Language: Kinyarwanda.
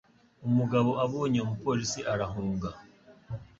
Umugabo abonye umupolisi, arahunga.